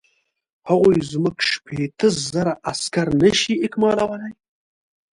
هغوی زموږ شپېته زره عسکر نه شي اکمالولای.